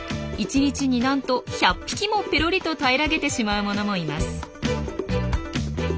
１日になんと１００匹もペロリと平らげてしまうものもいます。